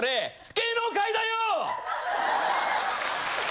芸能界だよ！